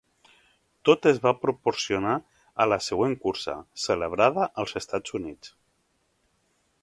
Tot es va proporcionar a la següent cursa, celebrada als Estats Units.